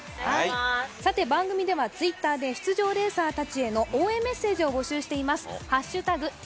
番組ではＴｗｉｔｔｅｒで出場レーサーたちへの応援メッセージを募集しています。